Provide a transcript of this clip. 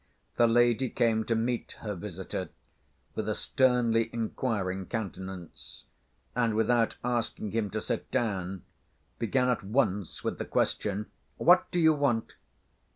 The lady came to meet her visitor, with a sternly inquiring countenance, and, without asking him to sit down, began at once with the question: "What do you want?"